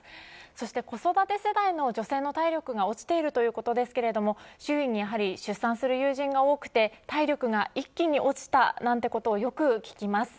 そして子育て世代の女性の体力が落ちているということですが周囲に出産する友人が多くて体力が一気に落ちたなんてことをよく聞きます。